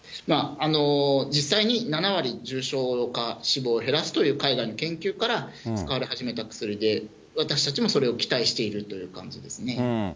実際に７割重症化、死亡を減らすという海外の研究から使われ始めた薬で、私たちもそれを期待しているという感じですね。